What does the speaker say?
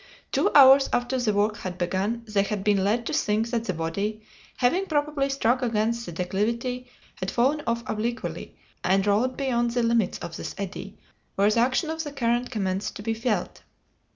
Two hours after the work had begun they had been led to think that the body, having probably struck against the declivity, had fallen off obliquely and rolled beyond the limits of this eddy, where the action of the current commenced to be felt.